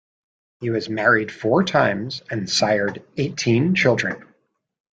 He was married four times and sired eighteen children.